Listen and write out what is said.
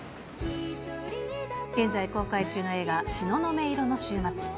現在公開中の映画、シノノメ色の週末。